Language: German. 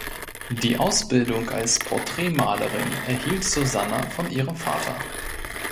Die Ausbildung als Porträtmalerin erhielt Susanna von ihrem Vater.